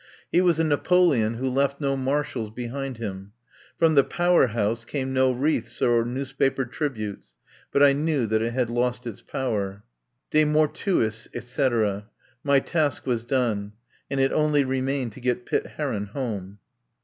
He was a Napoleon who left no Marshals behind him. From the Power House came no wreaths or newspaper trib utes, but I knew that it had lost its power. ... De mortuis, etc. My task was done, and it only remained to get Pitt Heron home.